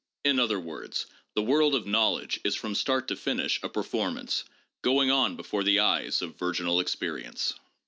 In other words, the world of knowledge is from start to finish a performance going on before the eyes of virginal experience.